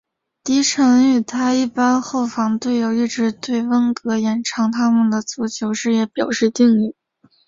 迪臣与他一班后防队友一直对温格延长他们的足球事业表示敬意。